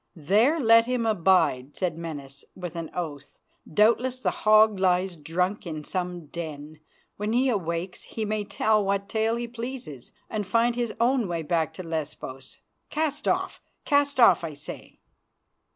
"There let him bide," said Menas, with an oath. "Doubtless the hog lies drunk in some den. When he awakes he may tell what tale he pleases and find his own way back to Lesbos. Cast off, cast off! I say."